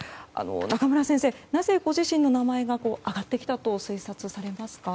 中村先生、なぜご自身の名前が挙がってきたと推察されますか。